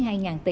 từ chính phủ